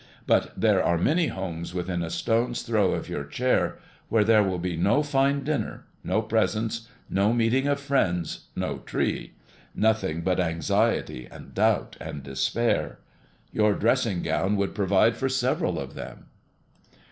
But there are many homes within a stone's throw of your chair, where there will be no fine dinner, no presents, no meeting of friends, no tree, nothing but anxiety and doubt and despair. Your dressing gown would provide for several of them."